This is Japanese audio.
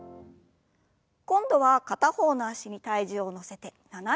今度は片方の脚に体重を乗せて斜めに。